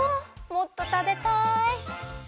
もっとたべたい！